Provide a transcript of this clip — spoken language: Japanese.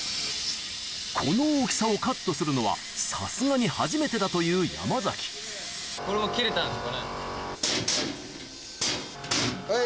この大きさをカットするのはさすがに初めてだという山崎はい。